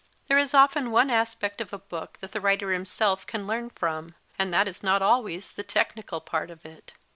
There is often one aspect of a book that the writer himself can learn from, and that is not always the technical part of it.